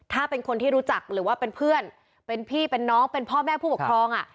ถ้าเป็นคนที่รู้จักหรือว่าเป็นเพื่อนเป็นพี่เป็นน้องเป็นพ่อแม่ผู้ปกครองอ่ะ